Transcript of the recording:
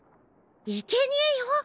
いけにえよ。